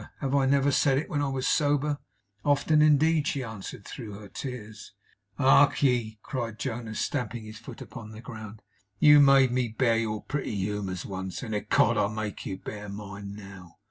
Have I never said it when I was sober?' 'Often, indeed!' she answered through her tears. 'Hark ye!' cried Jonas, stamping his foot upon the ground. 'You made me bear your pretty humours once, and ecod I'll make you bear mine now.